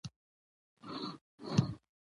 شوري د مجلسـینو د هیئـت د